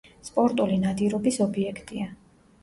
სპორტული ნადირობის ობიექტია.